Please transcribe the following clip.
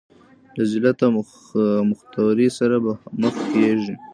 له ذلت او مختورۍ سره به مخ کېږي.